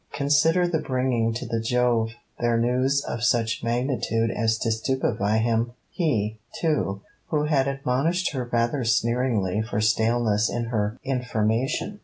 Consider the bringing to the Jove there news of such magnitude as to stupefy him! He, too, who had admonished her rather sneeringly for staleness in her information.